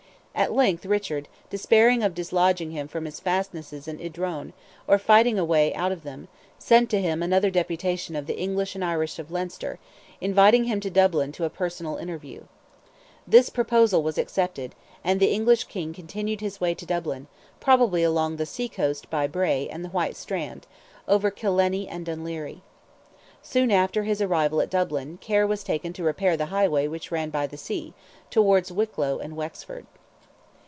At length Richard, despairing of dislodging him from his fastnesses in Idrone, or fighting a way out of them, sent to him another deputation of "the English and Irish of Leinster," inviting him to Dublin to a personal interview. This proposal was accepted, and the English king continued his way to Dublin, probably along the sea coast by Bray and the white strand, over Killiney and Dunleary. Soon after his arrival at Dublin, care was taken to repair the highway which ran by the sea, towards Wicklow and Wexford.